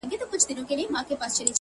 ستا د اوربل خوشبو يې ووېشله